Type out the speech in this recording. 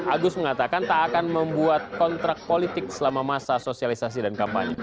agus mengatakan tak akan membuat kontrak politik selama masa sosialisasi dan kampanye